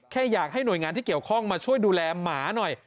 แค่อยากให้หน่วยงานที่เกี่ยวข้องมาช่วยดูแลหมาหน่อย